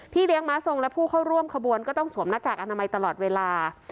เลี้ยงม้าทรงและผู้เข้าร่วมขบวนก็ต้องสวมหน้ากากอนามัยตลอดเวลา